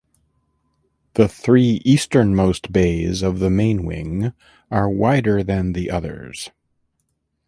The three easternmost bays of the main wing are wider than the others.